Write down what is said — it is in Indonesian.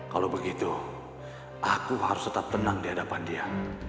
kalau begitu aku harus tetap tenang di hadapan dia